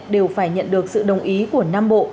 đều phải nhận được sự đồng ý của nam bộ